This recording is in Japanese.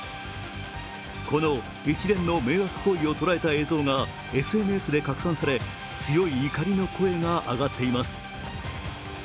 この一連の迷惑行為を捉えた映像がＳＮＳで拡散され強い怒りの声が上がっています。